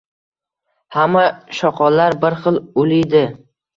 Hamma shoqollar bir xil uliydi